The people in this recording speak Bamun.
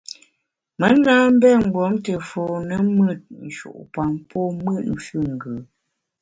Me na mbé mgbom te fone mùt nshu’pam pô mùt füngù.